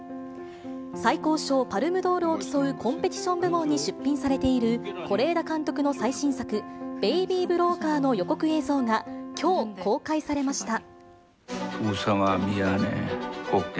最高賞、パルムドールを競うコンペティション部門に出品されている是枝監督の最新作、ベイビー・ブローカーの予告映像が、きょう公開されました。